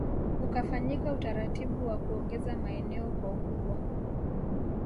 Ukafanyika utaratibu wa kuongeza maeneo kwa ukubwa